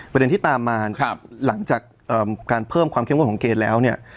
ประเด็นที่ตามมาหลังจากการเพิ่มความเข้มงวดของเกณฑ์แล้วเนี่ย